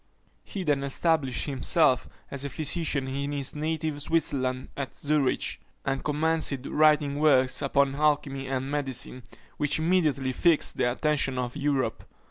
He then established himself as a physician in his native Switzerland at Zurich, and commenced writing works upon alchymy and medicine, which immediately fixed the attention of Europe.